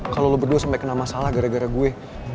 kalo lo berdua sampe kena masalah gara gara gue